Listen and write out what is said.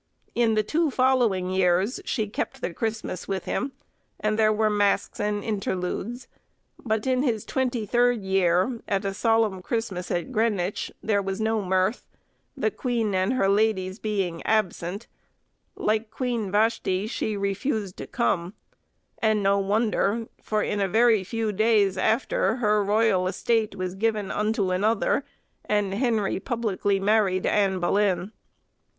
In the two following years she kept the Christmas with him, and there were masks and interludes; but in his twenty third year, at a solemn Christmas at Greenwich, there was no mirth, the queen and her ladies being absent—like Queen Vashti she refused to come, and no wonder, for in a very few days after her royal estate was given unto another, and Henry publicly married Anne Boleyn.